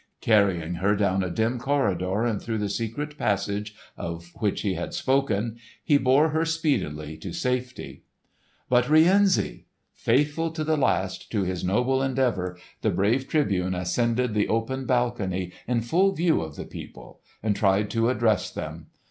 Carrying her down a dim corridor and through the secret passage of which he had spoken, he bore her speedily to safety. But Rienzi! Faithful to the last to his noble endeavour, the brave Tribune ascended the open balcony in full view of the people and tried to address them.